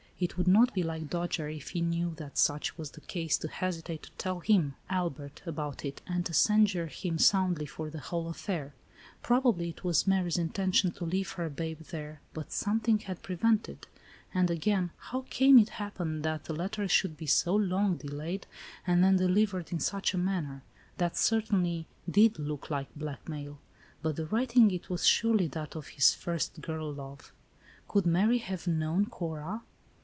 It would not be like Dojere, if he knew that such was the case, to hesitate to tell him, Albert, about • it, and to censure him soundly for the whole affair. Probably it was Mary's intention to leave her babe there, but something had prevented. And, again, how came it to happen that the letter should be so long delayed, and then (^livered in such a manner. That, certainly, did (look like blackmail ; but the writing — it was surely that of his first girl love. Could Mary have known Cora?